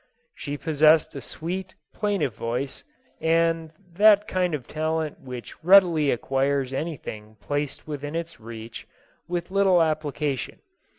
She possessed a sweet, plaintive voice, and that kind of talent which readily acquires anything placed within its reach, with little application.